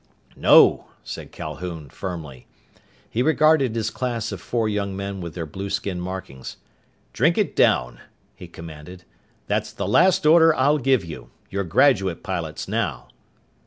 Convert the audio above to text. _" "No!" said Calhoun firmly. He regarded his class of four young men with their blueskin markings. "Drink it down!" he commanded. "That's the last order I'll give you. You're graduate pilots, now!"